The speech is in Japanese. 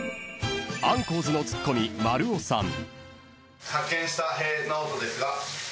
［アンコウズのツッコミまるおさん］